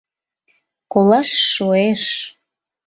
— Колаш — шуэш.